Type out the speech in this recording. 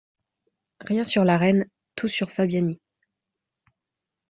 Rien sur La Reine , tout sur Fabiani.